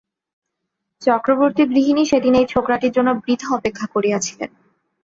চক্রবর্তী-গৃহিণী সেদিন এই ছোকরাটির জন্য বৃথা অপেক্ষা করিয়াছিলেন।